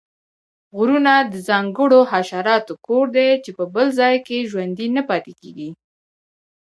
غرونه د ځانګړو حشراتو کور دی چې په بل ځاې کې ژوندي نه پاتیږي